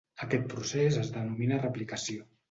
Aquest procés es denomina replicació.